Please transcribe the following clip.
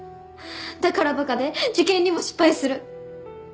だから馬鹿で受験にも失敗する。